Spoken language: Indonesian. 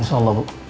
insya allah bu